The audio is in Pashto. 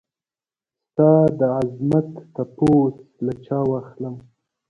ستا دعظمت تپوس له چا واخلم؟